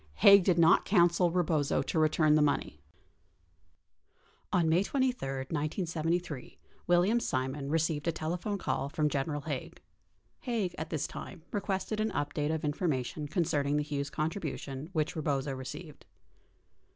Haig did not counsel Eebozo to return the money. 49 On May 23, 1973, William Simon received a telephone call from General Haig. Haig, at this time, requested an update of information concerning the Hughes contribution which Eebozo received.